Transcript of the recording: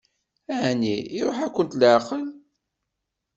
Ɛni iṛuḥ-akent leɛqel?